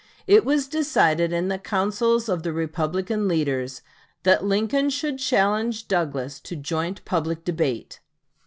It was decided in the councils of the Republican leaders that Lincoln should challenge Douglas to joint public debate.